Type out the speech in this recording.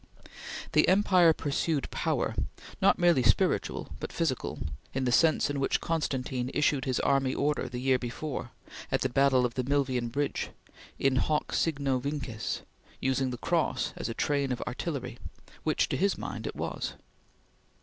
The empire pursued power not merely spiritual but physical in the sense in which Constantine issued his army order the year before, at the battle of the Milvian Bridge: In hoc signo vinces! using the Cross as a train of artillery, which, to his mind, it was.